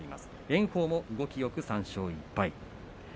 炎鵬も動きよく３勝１敗。